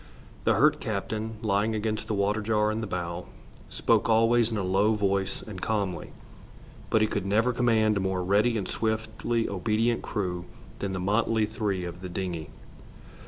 The hurt captain, lying against the water jar in the bow, spoke always in a low voice and calmly, but he could never command a more ready and swiftly obedient crew than the motley three of the dingey.